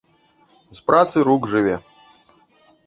З працы рук жыве.